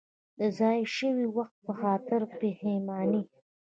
د ضایع شوي وخت په خاطر پښېماني.